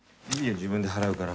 自分で払うから。